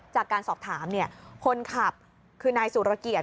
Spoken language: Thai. จากการสอบถามคนขับคือนายสุรเกียรติ